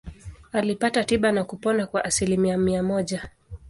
Alipata tiba na kupona kwa asilimia mia moja.